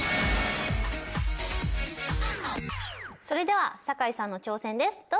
それでは酒井さんの挑戦です。